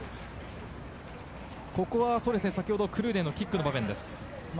ここは、さきほどクルーデンのキックの場面です。